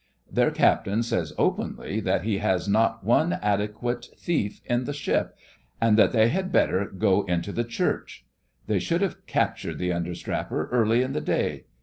Their Captain says openly that he has not one adequate thief in the ship, and that they had better go into the Church. They should have captured the understrapper early in the day.